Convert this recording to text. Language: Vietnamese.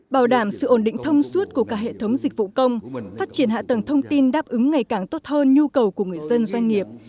bảo đảm sự ổn định thông suốt của cả hệ thống dịch vụ công phát triển hạ tầng thông tin đáp ứng ngày càng tốt hơn nhu cầu của người dân doanh nghiệp